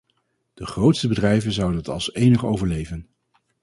De grootste bedrijven zouden het als enige overleven.